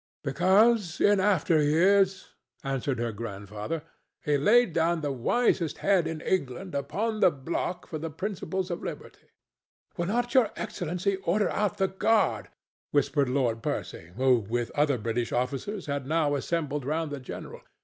"Because in after years," answered her grandfather, "he laid down the wisest head in England upon the block for the principles of liberty." "Will not Your Excellency order out the guard?" whispered Lord Percy, who, with other British officers, had now assembled round the general.